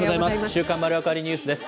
週刊まるわかりニュースです。